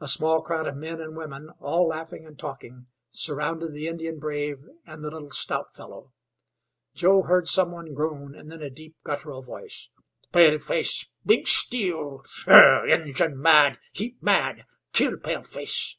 A small crowd of men and women, all laughing and talking, surrounded the Indian brave and the little stout fellow. Joe heard some one groan, and then a deep, guttural voice: "Paleface big steal ugh! Injun mad heap mad kill paleface."